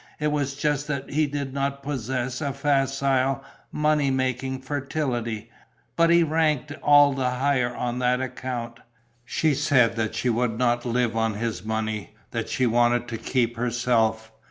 It was just that he did not possess a facile, money making fertility, but he ranked all the higher on that account. She said that she would not live on his money, that she wanted to keep herself.